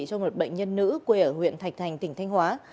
cho một bệnh nhân nữ quê ở huyện thạch thành tỉnh thanh hóa